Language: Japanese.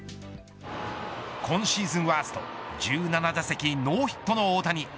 今シーズンワースト１７打席ノーヒットの大谷。